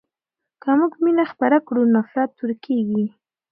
که موږ مینه خپره کړو نو نفرت ورکېږي.